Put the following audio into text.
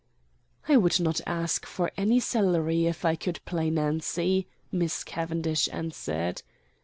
"I would not ask for any salary if I could play Nancy," Miss Cavendish answered.